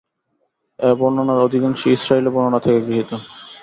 এ বর্ণনার অধিকাংশই ইসরাঈলী বর্ণনা থেকে গৃহীত।